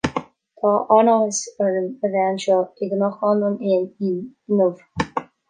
Tá an-áthas orm a bheith anseo i gCnocán an Éin Fhinn inniu